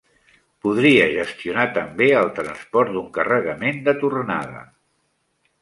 Podria gestionar també el transport d'un carregament de tornada.